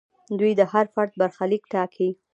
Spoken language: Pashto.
دوی د هر فرد برخلیک ټاکي.